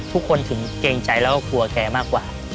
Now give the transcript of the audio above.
ทุกคนถึงเกรงใจแล้วก็กลัวแกมากกว่า